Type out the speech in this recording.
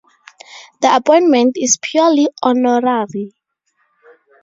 The appointment is purely honorary.